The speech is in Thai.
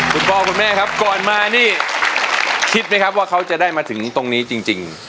คุณพ่อคุณแม่ครับก่อนมานี่คิดไหมครับว่าเขาจะได้มาถึงตรงนี้จริง